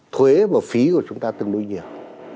thuế và phí của chúng ta tương đối nhiều